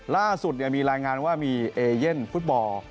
ล่าสุดมีรายงานว่ามีเอเย่นฟุตบอล